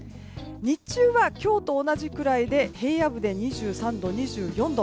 日中は今日と同じくらいで平野部で２３度、２４度。